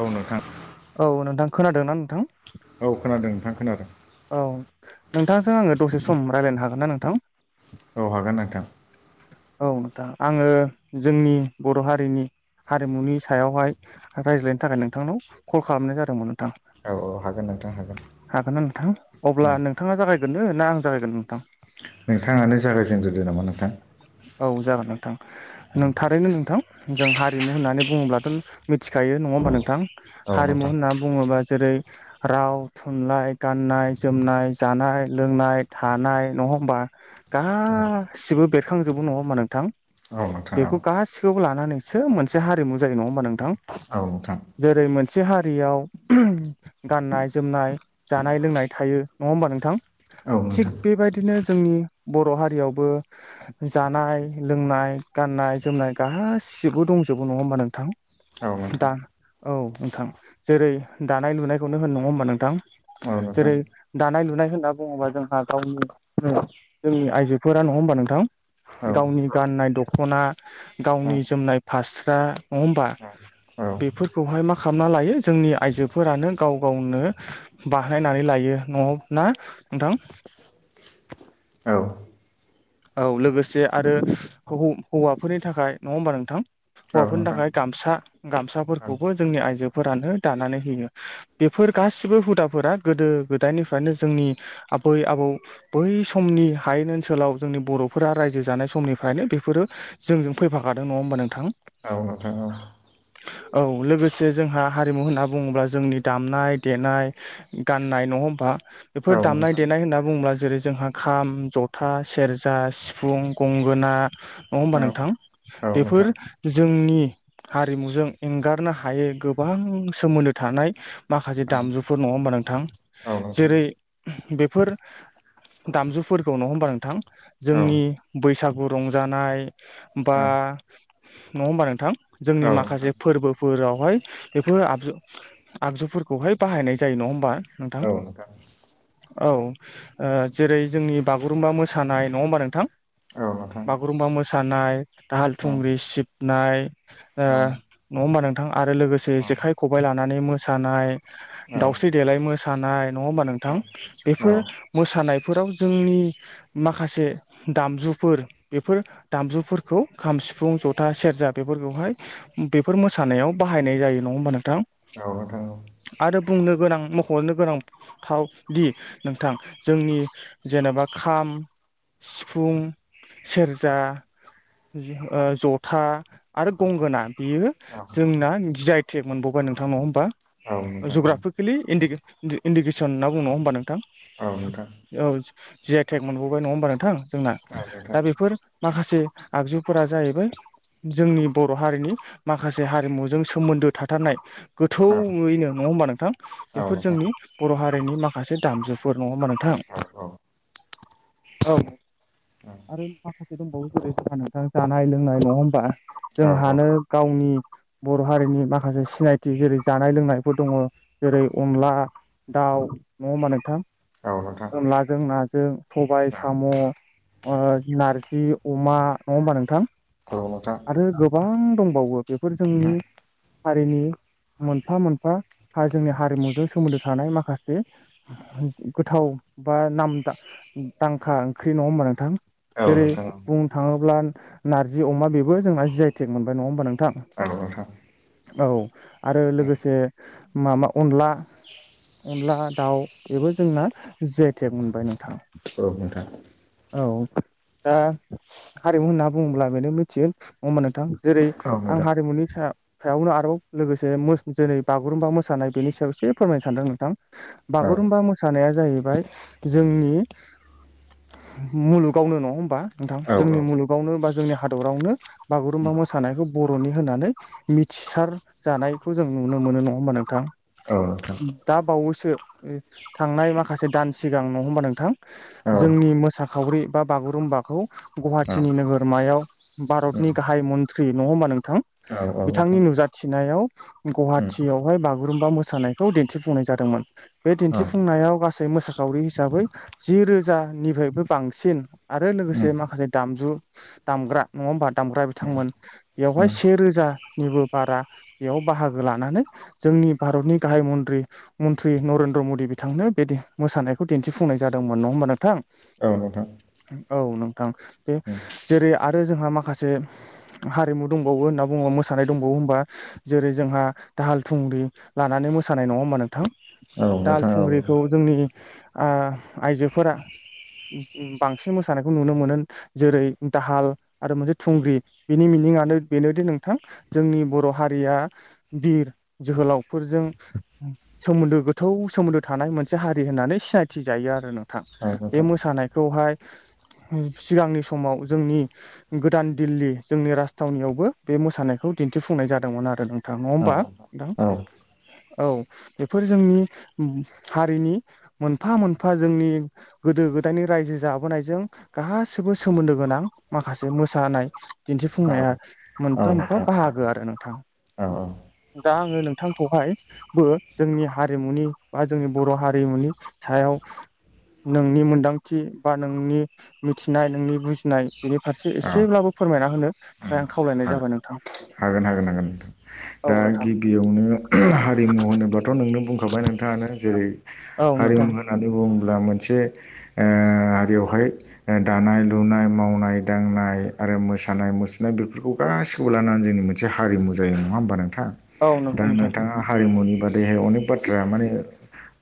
औ नोंथां औ नोंथां खोनादोंना नोंथां औ खोनादों नोंथां खोनादों औ नोंथांजों आङो दसे सम रायलायनो हागोन ना नोंथां औ हागोन नोंथां औ नोंथां आङो जोंनि बर' हारिनि हारिमुनि सायावहाय रायज्लायनो थाखाय नोंथांनाव कल खालामनाय जादोंमोन औ औ हागोन नोंथां हागोन हागोनना नोंथां औ अब्ला नोंथाङा जागाय ग्रोनो ना आं जागायग्रोनो नोंथां नोंथाङानो जागायजेनग्रोदो नामा नोंथां औ जागोन नोंथां नों थारैनो नोंथां जों हारिमु होननानै बुङोब्लाथ' मिथिखायो यो नङा होमबा नोंथां औ हारिमु नोंथां होनना बुङोबा जेरै राव थुनलाइ गाननाय जोमनाय जानाय लोंनाय थानाय न नङा होमबा औ गासिबो बेरखांजोबो नङा होमबा नोंथां औ नोंथां औ बेखौ गासैखौबो लानानैसो मोनसे हारिमु जायो नङा होमबा नोंथां औ नोंथां जेरै मोनसे हारियाव गाननाय जोमनाय जानाय लोंनाय थायो नङा होमबा नोंथां औ थिग नोंथां बेबायदिनो जोंनि बर' हारियावबो जानाय लोंनाय गाननाय जोमनाय गासिबो दंजोबो नङा होमबा नोंथां औ नोंथां दा औ नोंथां जेरै दानाय लुनायखौनो होन नङा होमबा नोंथां औ नोंथां जेरै दानाय लु लुनाय होनना बुङोबा जोंहा गावनि जोंनि आइजोफोरा नङा होमबा नोंथां औ औ गावनि गाननाय दख'ना औ नोंथां औ नोंथां गावनि औ औ जोमनाय फास्रा नङा होमबा नोंथां औ नोंथां औ नोंथां औ नोंथां औ नोंथां औ नोंथां औ बेफोरखौहाय मा खालामना लायो जोंनि आइजोफोरानो गाव गावनो बाहानायनानै ला यो न'आव ना नोंथां औ औ लोगोसे आरो हौवाफोरनि थाखाय नङा होमबा नोंथां हौवाफोरनि थाखाय गामसा गामसाफोरखौबो जोंनि आइजोफोरानो दानानै होयो बेफोर गासिबो हुदाफोरा गोदो गोदायनिफ्रायनो जोंनि आबै आबौ बै समनि हा येन ओनसोलाव जोंनि बर'फोरा रायजो जानाय समनिफ्रायनो बेफोरो जोंजों फैफाखादों नङा होमबा नोंथां नोंथां औ [inaudible] औ लोगोसे जोंहा हारिमु होनना बुङोब्ला जोंनि दामनाय देनाय गाननाय न ङा होनबा बेफोर दामनाय देनाय होनना बुङोब्ला जेरै जोंहा खाम जथा सेरजा सिफुं गंगोना नङा होमबा नोंथां बेफोर जोंनि हारिमुजों एंगारनो हायै गोबां सोमोनदो थानाय माखासे दामजुफोर नङा होनबा नों थां जेरै बेफोर दामजुफोरखौ नङा होमबा नोंथां जोंनि बैसागु रंजानाय बा नङा होमबा नोंथां जोंनि माखासे फोरबोफोरावहाय बेफोर आगजु आगजुफोरखौहाय बाहायनाय जायो न ङा होनबा नोंथां औ ओ जेरै जोंनि बागुरुमबा मो सानाय नङा होमबा नोंथां बागुरुम्बा मोसानाय दाहाल थुंग्रि सिबनाय ओ नङा होनबा नोंथां आरो लोगोसे जेखाय खबाइ लानानै मोसानाय दाावस्रि देलाय मोसानाय नङा होमबा नोंथां औ बेफोर मोसानायफोराव जोंनि माखासे दामजुफोर बेफोर दामजुफोरखौ खाम सिफुं ज'था सेरजा बे फोरखौहाय बेफोर मोसानायाव बाहायनाय जायो नङा होमबा नोंथां औ नोंथां औ आरो बुंनो गोनां मख'नो गोनांथावदि नोंथां जोंनि जेनेबा खाम सिफुं सेरजा ओ ज'था आरो गंगोना बियो औ जोंना जिआइटेक मोनबावबाय नोंथां नङा होमबा औ नोंथां जुग्राफिकेलि इन्डिके- इन्दिकेसन होनना बुङो नङा होमबा नोंथां औ नोंथां औ जिआइटेक मोनबाव बाय नङा होमबा नोंथां जोंना औ नोंथां दा बेफोर माखासे आगजुफोरा जाहैबाय जोंनि बर' हारिनि माखासे हारिमुजों सोमोनदो थाथारनाय औ गोथौयैनो नङा होनबा नोंथां बेफोर नोंथां जोंनि बर' हारिनि माखासे दामजुफोर नङा होनबा नोंथां औ औ आरो माखासे दंबावो जेरै जोंहा नोंथां जानाय लोंनाय नङा होमबा औ जोंहानो गावनि बर' हारिनि माखासे सिनायथि जेरै जानाय लोंनायफोर दङ जेरै अनला दाउ नङा होमबा नोंथां नोंथां औ नोंथां औ नोंथां औ अनलाजों नाजों सबाय साम' ओ नारजि अमा नङा होमबा नोंथां नोंथां आरो गोबां दंबावो बेफोर जोंनि हारिनि मोनफा मोनफा जोंनि हारिमुजों सोमोनदो थानाय माखासे गोथाव बा नाम दांखा ओंख्रि नङा होमबा नोंथां औ जेरै बुंनो थाङो ब्ला नारजि अमा बेबो जोंना जि आइटेक मोनबाय नङा होमबा नोंथां नोंथां औ आरो औ औ औ लोगोसे माबा अनला अनला दाउ बेबो जोंना जि आइटेक मोनबाय नोंथां औ नोंथां औ दा हारिमु होनना बुङोब्ला बेनो मिथिगोन नङा होनबा नोंथां जेरै औ आं हारिमुनि सायावनो आरोबाव लोगोसे जेरै बागुरुम्बा मोसानाय बेनि सायाव एसे फोरमायनो सानदों नोंथां बागुरुम्बा मोसा नाया जाहैबाय जोंनि मुलुगावनो नङा होमबा नोंथां जोंनि मुलुगावनो बा जोंनि हादरावनो बागुरुम्बा मोसानाय नायखौ बर'नि होननानै मिथिसार जानायखौ जों नुनो मोनो नङा होमबा नोंथां दा बावैसो थांनाय माखासे दान सिगां नङा होनबा नोंथां जोंनि मोसाखावरि बा बागुरुम्बाखौ गुवाहाटीनि नोगोरमायाव भारत नि गाहाय मनथ्रि नङा होनबा नोंथां बिथांनि नुजाथिनायाव गुवाहाटियावहाय बागु गुरुम्बा मोसानायखौ दिनथिफुंनाय जादोंमोन बे दिनथिफुंनायाव गासै मोसाखावरि हिसाबै जि रोजानिफ्रायबो बांसिन आरो लोगोसे माखासे दामजु दामग्रा नङा होमबा दामग्रा बिथांमोन बेयावहाय से रोज निबो बारा बेयाव बाहागो लानानै जों जोंनि भारतनि गाहाय मनथिरि मन्त्रि नरेन्द्र मदि बिथांनो बे मोसानायखौ दिन्थिफुंनाय जादोंमोन नङा होमबा नोंथां औ नोंथां बे जेरै आरो जोंहा माखासे हारिमु दंबावो होनना बुङोबो मोसानाय दंबावो होनोमबा जेरै जोंहा दाहाल थुंग्रि लानानै मोसानाय नङा होमबा नोंथां दाल थुंग्रिखौ जोंनि आइजोफोरा बांसिन मोसानायखौ नुनो मोनो जेरै दाहाल आरो मोनसे थुंग्रि बेनि मि मिंआानो बेनोदि नोंथां जोंनि बर' हारिया बिर जोहोलावफोरजों सोमोन्दो गोथौ सोमोन्दो थानाय मोनसे हारि होननानै सिनायथि जायो आरो आरो नोंथां बे मोसानायखौहाय सिगांनि समाव जोंनि गोदान दिल्ली जोंनि राजथावनियावबो बे मोसानायखौ दिन्थिफुंनाय जादोंमोन आरो नोंथां नङा होमबा नोंथां औ बेफोर जोंनि हारिनि मोनफा मोनफा एफा जोंनि गोदो गोदायनि रायजो जाबोनायजों गासिबो सोमोन्दो गोनां माखासे मोसानाय दिन्थिफुंनाया मोनफा मोनफा बाहागो आरो नोंथां औ औ दा आङो नोंथांखौहायबो जोंनि हारिमुनि बा जोंनि बर' हारिमुनि सायाव [inaudible] नोंनि मोनदांथि बा नोंनि मिथिनाय नोंनि बुजिनाय बेनि फारसे औ एसेब्लाबो फोरों फोरमायना होनो थाखाय आं औ खावलायनाय जाबाय नोंथां हागोन हागोन हागोनथां औ दा नोंथां गिबियावनो हारिमु होनोबाथ' नोंनो बुंखाबाय नोंथाङानो जेरै औ नोंथां हारिमु होननानै बुङो मोनसे हारियावहाय दानाय लुनाय मावनाय दांनाय आरो मोसानाय मुसुरनाय बेफोरखौ गासिखौबो लानानै जोंनि मिथि मोनसे हारिमु जायो नङा होमबा नोंथाङा औ दा नंगौ नोंथां नोंथाङा हारिमुनि बाादेहाय अनेक बाथ्र्रा माने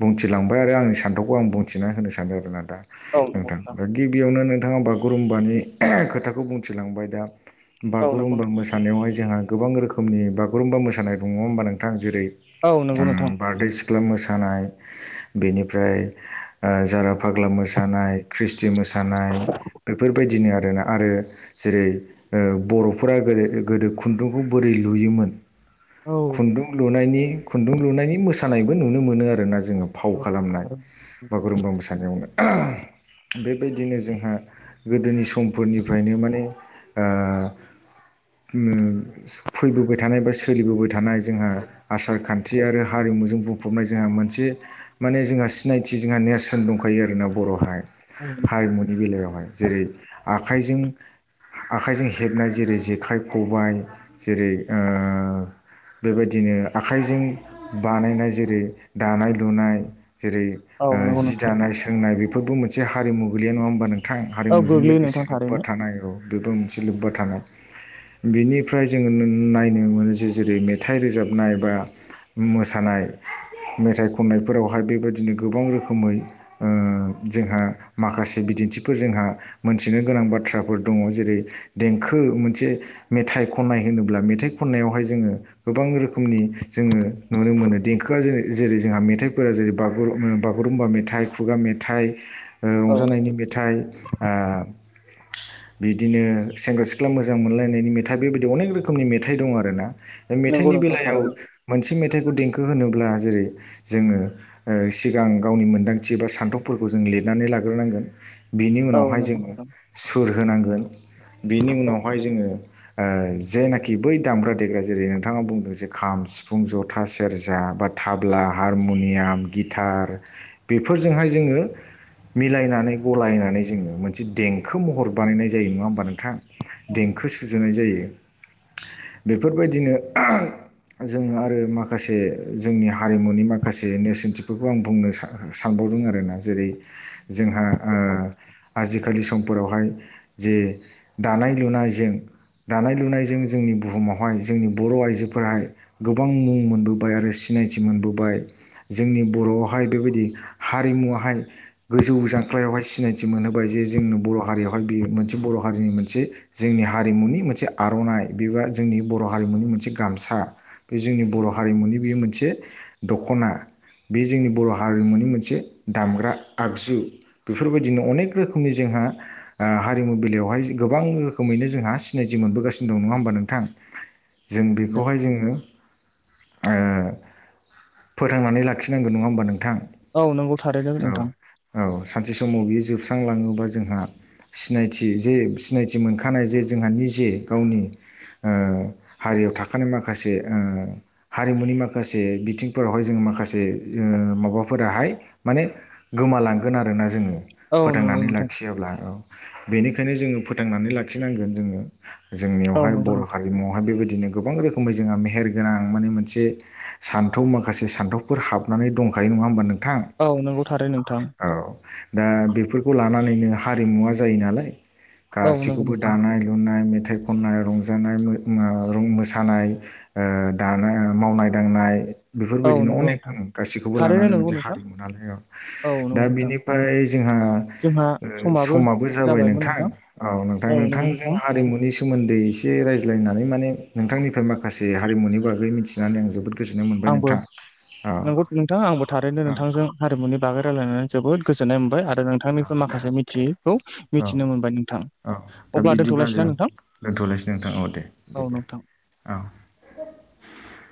बुंथिलांबाय आरो आंनि सान्थौखौ आं बुंथिना होनो सानदों आरोोन औ नंगौ नोंथां दा गिबियावनो नोंथाङा बागुरुम्बानि खोथाखौ बुंथिलांबाय दा औ नंगौ बागुरुम्बा मोसानायावहाय जोंहा गोबां रोखोमनि बागुरुम्बा मोसानाय दङ होनोमबा नोंथां जेरै नोंथां औ नंगौ नोंथां बारडैसिख्ला मोसानाय बेनिफ्राय जारा फागाला फाग्ला मोसानाय ख्रिस्टि मोसानाय बेफोरबायदिनो आरो ना आरो जेरै बर'फोरा गोदो खुन्दुंखौ बोरै लुयोमोन औ खुन्दुं लुनायनि खुन्दुं लुनायनि मोसानायबो नुनो मोनो आरोना जोङो फाव औ खालामनाय बागुरुम्बा मोसानायावनो [inaudible] बेबायदिनो जोंहा गोदोनि समफोरनिफ्रायनो माने बे फैबोबाय थानाय बा सोलिबोबाय थानाय जोंहा आसार खान्थि आरो हारिमुजों बुं बुंफबनाय जोंहा मोनसे माने जोंहा सिनायथि जोंहा नेरसोन दंखायो आरोना बर'हाय हारिमुनि बेलायावहाय जेरै आखाइजों आखाइजों हेबनाय जेरै जेखाइ खबाय जेरै बेबायदिनो आखाइजों बानायनाय जेरै दानाय लुनाय जेरै औ नंगौ जि नोंथां दानाय सोंनाय बेफोरबो मोनसे हारिमु गोलैया नङा होमबा नोंथां गोथां औ हारिमुजों गोग्लैयो लोगोसे नोंथां लोब्बा थारैनो थानाय र बेफोर मोनसे लोब्बा थानाय बेनि निनिफ्राय जोङो नायनो मोनो जे जेरै मेथाइ रोजाबनाय बा मोसानाय मेथाइ खननायफोरावहाय बेबायदिनो गोबां रोखोमै जोंहा माखासे बिदि फोर जोंहा मोनथिनो गोनां बाथ्राफोर दङ जेरै देंखो मोनसे मेथाइ ख खननाय होनोब्ला मेथाइ खननायावहाय जोङो गोबां रोखोमनि जोङो नुनो मोनो देंखोआ जो जेरै जोंहा मेथाइफोरा जेरैुर बागुरुम्बा मेथाइ खुगा मेथाइ औ रंजानायनि मेथाइ बिदिनो सेंग्रा सिख्ला मोजां मोनलायनायनि मेथाइ बेबायदि बे अनेक रोखोमनि मेथाइ दं आरोना बे नंगौ मेथाइनि नोंथां बेलायाव थारैनो मोनसे मेथाइखौ देंखो होनोब्ला जेरै जोंङो सिगां गावनि मोन्दांथि बबा सान्थौफोरखौ जों लिरनानै लाग्रोनांगोन बिनि औ उनावहाय नंगौ जोंङो नोंथां सुर होनांगोन बिनि औ उनावहाय जोंङो जेनाखि बै दामग्रा देग्रा जेरै नोंथाङा बुंदों जे खाम सिफुं जथा सेरजा बा थाब्ला हारमुनियाम गिटार बेफोरजोंहाय जोंङो मिलायनानै गलायनानै जोंङो मोनसे देंखो महर बानायनाय जायो नंङा होमबा नोंथां औ देंखो सुजुाय जायो बेफोरबायदिनो जोंङो आरो माखासे जोंनि हारिमुनि माखासे नेरसोनथिफोरखौ आं बुंनो सानदों सानबावदों आरोना जेरै आजिखालि फोरावहाय जे दानाय लुनायजों दानाय लुनायजों जोंनि बुहुमावहाय जोंनि बर' आइजोफोराहाय गोबां मुं मोनबोबाय आरो सिनाय मिथि मोनबोबाय जोंनि बर'आवहाय बेबायदि हारिमुवाहाय गोजौ जांख्लायावहाय सिनायथि मोनहोबाय जे जोंनो बर' हारियावहाय बियो मोनसे बर' हारिनि मोनसे जोंनि हारिमुनि मोनसे मोनसे आर'नाइ बेबा जोंनि बर' हारिमुनि मोनसे गामसा बे जोंनि बर' हारिमुनि बेयो मोनसे दख'ना बे जोंनि बर' हारिमुनि मोनसे दामग्रा आगजु बेफोरबायदिनो अनेक रोखोमनि जों जोंहा हारिमु बिलइयावहाय गोबां रोखोमैनो जोंहा सिनायथि जि मोनबोगासिनो दंङो नंङा होमबा नोंथां जों बेखौहाय जोंङो फोथांनानै लाखिनांगौ नंङा होमबा नोंथां औ नंगौ थारैनो औ नोंथां - औ सानसे समाव बियो जोब जोबलांङोबा जोंहानाय जे सिनायथि मोनखानाय जे जोंहा जे गावनि हारियाव थाखानाय माखासे हारिमुनि माखासे बिथिंफोरावहाय जोंङो माखासे माबाफोराहाय माने गोमालांगोन आरोना जोंङो औ नंगौ फोथांनानै नोंथां लाखियाब्ला औ बेनिखायनो जोंङो फोथांनानै लाखिनांगोन जोंङो औ जोंनियावहाय नंगौ बर' नोंथां हारिमुवआवहाय बेबायदिनो गोबां रोखोमै जोंहा मेहेरगोनां माने मोनसे सान्थौ माखासे सान्थौफोर हाबनानै दंखायो नंङा होमबा नों थां औ नंगौ थारैनो नोंथां औ दा बेफोरखौ लानानैनो हारिमुवा जायो नालाय औ नंगौ गासैखौबो नोंथां दानाय लुनाय मेथाइ खननाय रंजानाय मोसानाय दा मावनाय दांनाय नाय औ बेफोरबायदिनो नंगौ अनेक नोंथां गासिखौबो थारैनो लानानै नंगौ मोनसे नोंथां हारिमुालाय औ दा नंगौ नोंथां बिनिफ्राय जों समाबो जाबाय नोंथां औ नोंथां हारिमुनि सोमोन्दै एसे रायज्लायनानै माने नोंथांनिफ्राय माखासे हारिमुनि बागै मिथि नानै आं जोबोद गोजोननाय मोनबाय आंबो नोंथां औ नंगौ नोंथां आंबो थारैनो औ नोंथांजों हारिमुनि बागै रायलायनानै जोबोद गोजोननाय मोनबाय आरो नोंथांनिफ्राय माखासे मिथियैखौ औ मिथिनो मोनबाय नोंथां औ दा अब्ला बिदिब्ला जों दोनथ'लायसैना नोंथां दोनथ'लायसै नोंथां औ दे औ बिदि नोंथां औ [inaudible]